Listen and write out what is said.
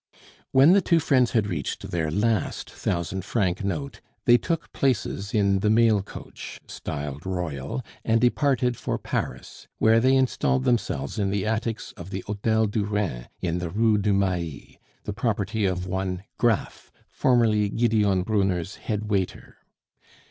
When the two friends had reached their last thousand franc note, they took places in the mail coach, styled Royal, and departed for Paris, where they installed themselves in the attics of the Hotel du Rhin, in the Rue du Mail, the property of one Graff, formerly Gideon Brunner's head waiter.